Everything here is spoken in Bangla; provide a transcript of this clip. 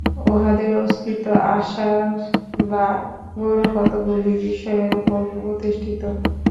উহাদের অস্তিত্ব অসার বা গৌণ কতকগুলি বিষয়ের উপরে প্রতিষ্ঠিত।